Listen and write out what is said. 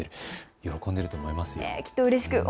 喜んでいると思います。